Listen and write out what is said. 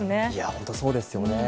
本当そうですよね。